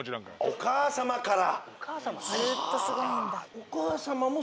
お母様から。